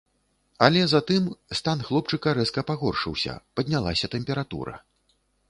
Але затым стан хлопчыка рэзка пагоршыўся, паднялася тэмпература.